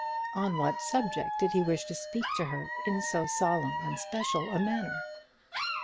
On what subject did he wish to speak to her in so solemn and special a manner?